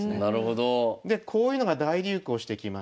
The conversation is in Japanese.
でこういうのが大流行してきまして。